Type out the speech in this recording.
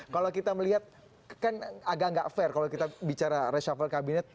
kalau kita melihat kan agak nggak fair kalau kita bicara reshuffle kabinet